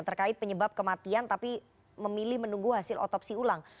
terkait penyebab kematian tapi memilih menunggu hasil otopsi ulang